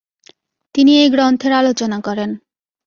তিনি এই গ্রন্থের আলোচনা করেন।